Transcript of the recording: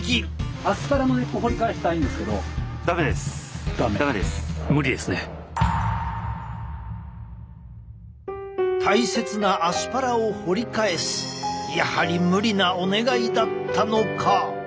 アスパラの根っこ大切なアスパラを掘り返すやはり無理なお願いだったのか。